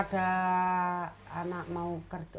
ada anak mau kerja